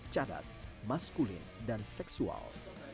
cadas maskulin dan seksual